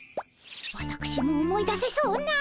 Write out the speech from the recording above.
わたくしも思い出せそうな。